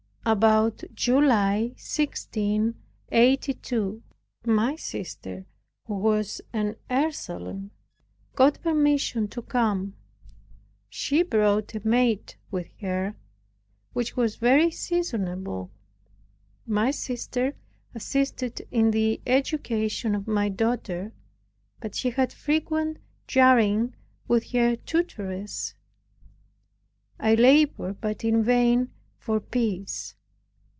About July, 1682, my sister, who was an Ursuline, got permission to come. She brought a maid with her, which was very seasonable. My sister assisted in the education of my daughter, but she had frequent jarring with her tutoress I labored but in vain for peace.